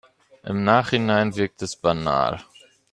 Im Nachhinein wirkt es banal.